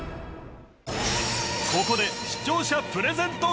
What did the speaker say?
ここで視聴者プレゼント